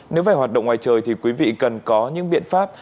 nếu phải hoạt động ngoài trời thì quý vị cần có những biện pháp